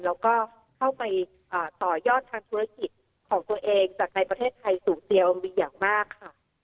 แล้วก็เข้าไปต่อยอดทางธุรกิจของตัวเองจากในประเทศไทยสูงเจียโอมบีอย่างมากค่ะ